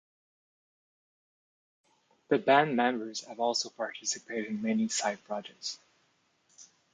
The band members have also participated in many side projects.